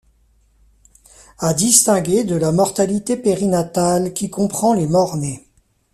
À distinguer de la mortalité périnatale qui comprend les mort-nés.